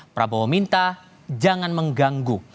prabowo minta jangan mengganggu